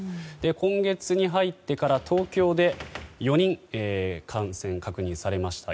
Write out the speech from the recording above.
今月に入ってから東京で４人感染確認されました。